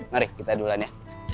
mari kita duluan ya